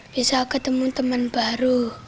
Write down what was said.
bisa ketemu teman baru